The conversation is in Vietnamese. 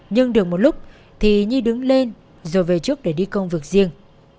nhưng được một lúc thì nhi đứng lên rồi về trước để đi công việc riêng